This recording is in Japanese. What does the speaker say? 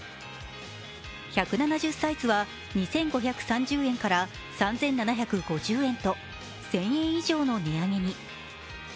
１７０サイズは２５３０円から３７５０円と１０００円以上の値上げに。